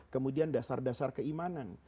kemudian dasar dasar keimanan